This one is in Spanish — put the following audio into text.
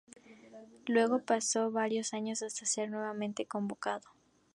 Luego pasó varios años hasta ser nuevamente convocado.